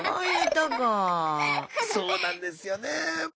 そうなんですよね。